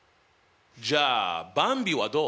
じゃあばんびはどう？